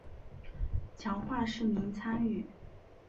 强化市民参与